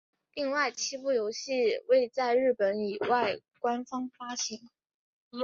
另外七部游戏未在日本以外官方发行。